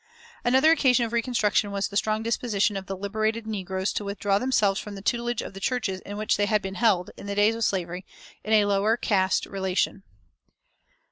Another occasion of reconstruction was the strong disposition of the liberated negroes to withdraw themselves from the tutelage of the churches in which they had been held, in the days of slavery, in a lower caste relation.